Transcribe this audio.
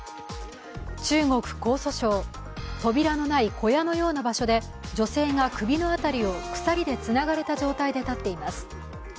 中国・江蘇省扉のない小屋のような場所で女性が首の辺りを鎖でつながれた状態で立っています。